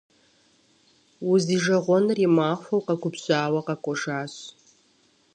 Узижэгъуэныр и махуэу къэгубжьауэ къэкӏуэжащ.